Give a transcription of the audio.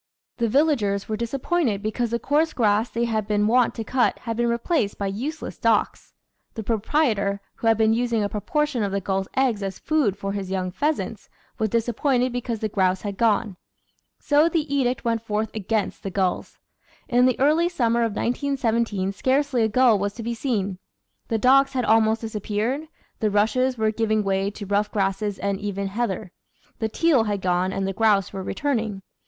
The villagers were disappointed because the coarse grass they had been wont to cut had been replaced by use less docks. The proprietor, who had been using a proportion of the gulls' eggs as food for his young pheasants, was disappointed because the grouse had gone. So the edict went forth against the gulls. In the early summer of 1917 scarcely a gull was to be seen ; the docks had almost disappeared ; the rushes were giving way to rough grasses and even heather ; the teal had gone and the grouse were returning.